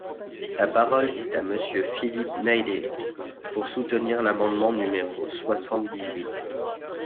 La parole est à Monsieur Philippe Naillet, pour soutenir l’amendement numéro soixante-dix-huit.